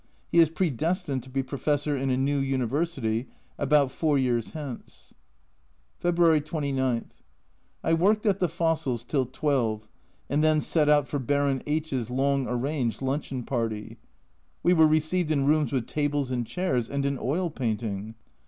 He is predestined to be professor in a new University about four years hence. February 29. I worked at the fossils till 12, and then set out for Baron H 's long arranged luncheon party. We were received in rooms with tables and chairs, and an oil painting